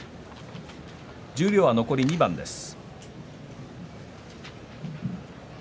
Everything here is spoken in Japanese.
十両残り２番です。